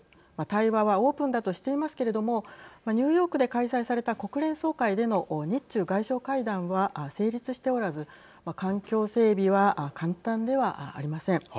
対話はオープンだとしていますけれどもニューヨークで開催された国連総会での日中外相会談は成立しておらず環境整備は簡単ではありません。